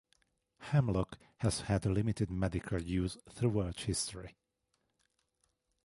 Hemlock has had a limited medical use throughout history.